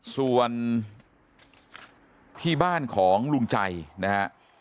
ส่วนที่บ้านของลุงใจนะฮะ